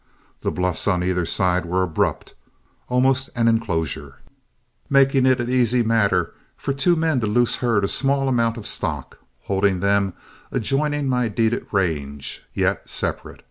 The bluffs on either side were abrupt, almost an in closure, making it an easy matter for two men to loose herd a small amount of stock, holding them adjoining my deeded range, yet separate.